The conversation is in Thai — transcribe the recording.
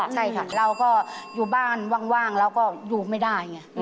ใช่ค่ะเราก็อยู่บ้านว่างเราก็อยู่ไม่ได้ไง